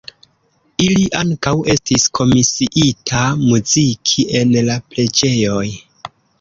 Ili ankaŭ estis komisiita muziki en la preĝejoj.